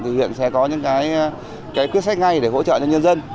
thì huyện sẽ có những cái quyết sách ngay để hỗ trợ cho nhân dân